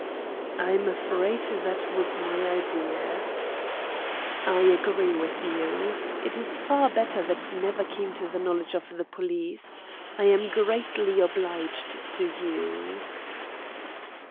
"I'm afraid that was my idea." "I agree with you. It is far better that it never came to the knowledge of the police. I am greatly obliged to you."